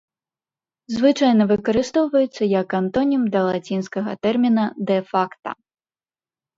Звычайна выкарыстоўваецца як антонім да лацінскага тэрміна дэ-факта.